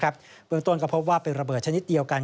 เบื้องต้นก็พบว่าเป็นระเบิดชนิดเดียวกัน